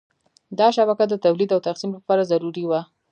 دا شبکه د تولید او تقسیم لپاره ضروري وه.